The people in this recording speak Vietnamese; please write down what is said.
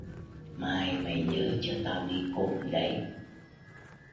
mai mày nhớ cho tao đi cùng đấy